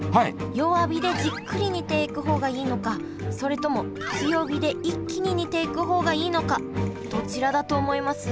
弱火でじっくり煮ていく方がいいのかそれとも強火で一気に煮ていく方がいいのかどちらだと思います？